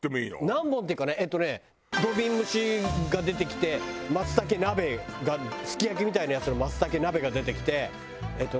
何本っていうかねえっとね土瓶蒸しが出てきて松茸鍋がすき焼きみたいなやつの松茸鍋が出てきてえっと